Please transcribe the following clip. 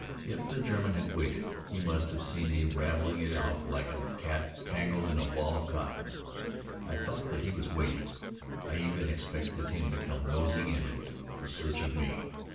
If the German had waited, he must have seen me raveling it out like a cat tangled in a ball of cotton. I thought that he was waiting. I even expected him to come nosing into it, in search of me.